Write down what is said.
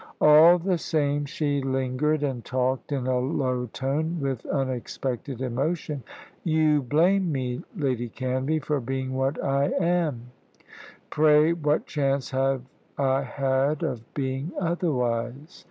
All the same she lingered, and talked in a low tone, with unexpected emotion. "You blame me, Lady Canvey, for being what I am. Pray, what chance have I had of being otherwise?